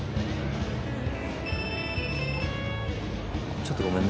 ちょっとごめんね。